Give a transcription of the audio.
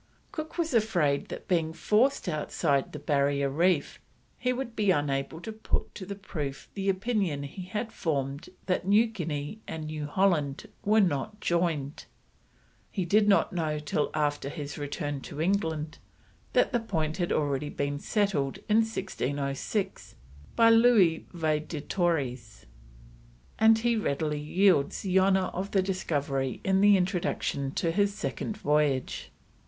Cook was afraid that being forced outside the Barrier Reef he would be unable to put to the proof the opinion he had formed that New Guinea and New Holland were not joined. He did not know till after his return to England, that the point had already been settled in 1606, by Louis Vaez de Torres, and he readily yields the honour of the discovery in the Introduction to his Second Voyage.